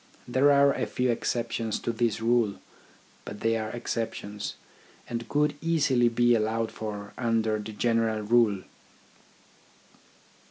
There are a few exceptions to this rule, but they are exceptions, and could easily be allowed for under the general rule.